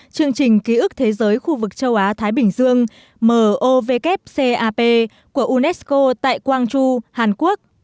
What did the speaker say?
chương trình ký ức thế giới khu vực châu á thái bình dương mowcap của unesco tại quang tru hàn quốc